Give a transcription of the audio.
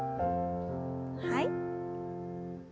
はい。